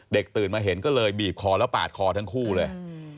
ตื่นมาเห็นก็เลยบีบคอแล้วปาดคอทั้งคู่เลย